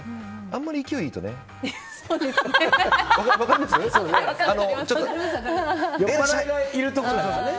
あんまり勢いがいいとね。